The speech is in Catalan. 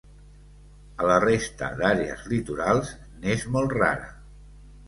A la resta d'àrees litorals n'és molt rara.